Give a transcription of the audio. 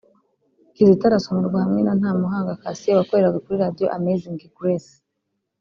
Kizito arasomerwa hamwe na Ntamuhanga Cassien wakoraga kuri Radio Amazing Grace